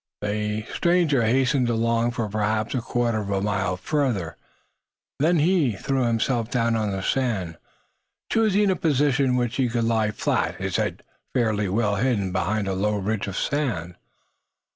The stranger hastened along for perhaps a quarter of a mile further. Then he threw himself down on the sand, choosing a position in which he could lie flat, his head fairly well hidden behind a low ridge of sand.